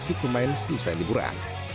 dan fisik pemain selesai liburan